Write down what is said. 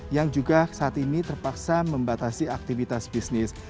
yang juga saat ini terpaksa membatasi aktivitas bisnis